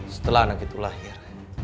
setelah anak itu lahir